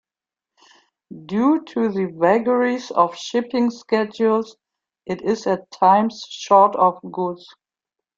Due to the vagaries of shipping schedules it is at times short of goods.